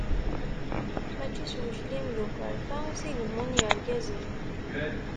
Mačči s uclim d ukerfa, i s gemmun irgazen.